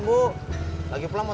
population ase yang dua